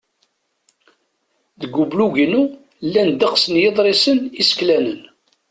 Deg ublug-inu, llan ddeqs n yiḍrisen iseklanen.